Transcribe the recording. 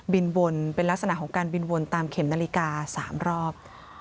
วนเป็นลักษณะของการบินวนตามเข็มนาฬิกา๓รอบ